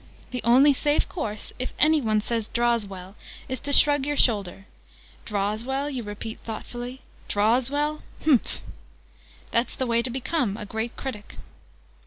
The only safe course, if any one says 'draws well,' is to shrug your shoulders. 'Draws well?' you repeat thoughtfully. 'Draws well? Humph!' That's the way to become a great critic!"